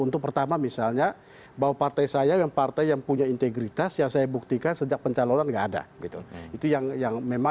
untuk pertama misalnya bahwa partai saya yang punya integritas yang saya buktikan sejak pencalonan tidak ada